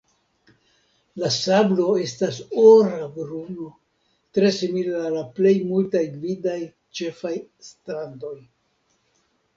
La sablo estas ora bruno, tre simila al la plej multaj gvidaj ĉefaj strandoj.